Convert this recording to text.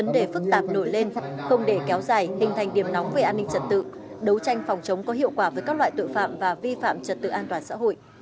đấu tranh phòng chống có hiệu quả với các loại tội phạm và vi phạm trật tự an toàn xã hội